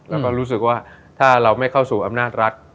แล้วก็รู้สึกว่าถ้าเราไม่เข้าสู่อำนาจรัฐ